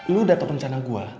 lu dateng ke rencana gue